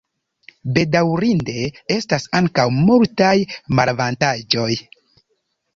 Bedaŭrinde estas ankaŭ multaj malavantaĝoj.